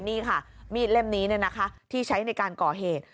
นี่ค่ะมีดเล่มนี้ที่ใช้ในการก่อเหตุ